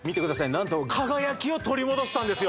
何と輝きを取り戻したんですよ